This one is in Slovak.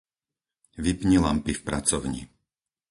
Vypni lampy v pracovni.